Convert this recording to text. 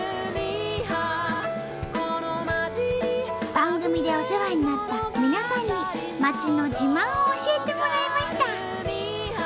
番組でお世話になった皆さんに町の自慢を教えてもらいました！